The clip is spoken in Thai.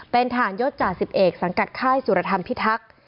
เป็นฐานยดจ่า๑๑สังกัดค่ายสุรธรรมพิทักษ์